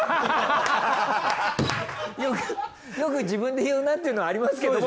よく自分で言うなっていうのはありますけども。